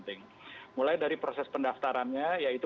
sangat penting mulai dari proses pendaftarannya yaitu